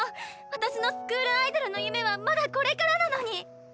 私のスクールアイドルの夢はまだこれからなのに！